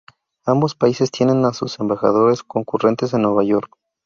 Ambos países tienen a sus embajadores concurrentes en Nueva York.